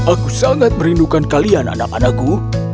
aku sangat merindukan kalian anak anakku